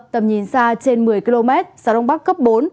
tầm nhìn xa trên một mươi km